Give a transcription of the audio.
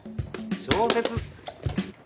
小説！